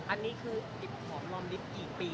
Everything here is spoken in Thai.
อันนี้คือของลำลิปกี่ปี